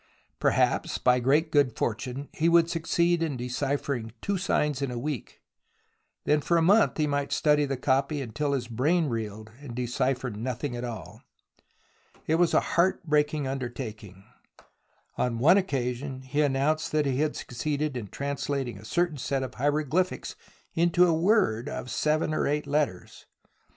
Perhaps by great good fortune he would succeed in deciphering two signs in a week, then for a month he might study the copy until his brain reeled, and decipher nothing at all. It was a heart breaking under taking. On one occasion he announced that he had succeeded in translating a certain set of hieroglyphics into a word of seven or eight letters.